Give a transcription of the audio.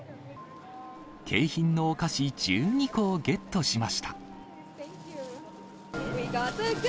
景品のお菓子１２個をゲットしました。